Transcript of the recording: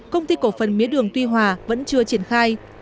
công ty cổ phần mía đường tuy hòa vẫn chưa triển khai